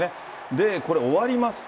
で、これ、終わりますと。